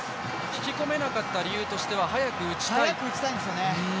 引き込めなかった理由としては早く打ちたい？早く打ちたいんですよね。